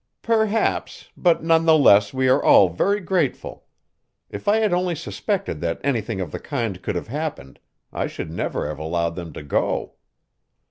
"Perhaps but none the less we are all very grateful. If I had only suspected that anything of the kind could have happened, I should never have allowed them to go."